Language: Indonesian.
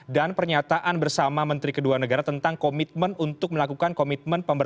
dan pernyataan bersama menteri kedua negara tentang komitmen untuk melakukan komitmen